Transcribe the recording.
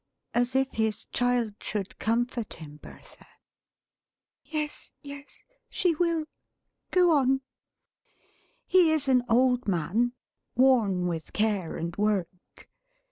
As if his child should comfort him, Bertha." "Yes, yes. She will. Go on." "He is an old man, worn with care and work.